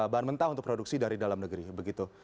bahan mentah untuk produksi dari dalam negeri begitu